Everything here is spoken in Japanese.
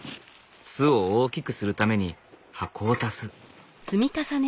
巣を大きくするために箱を足す。